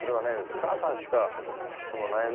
母さんしかその悩みをね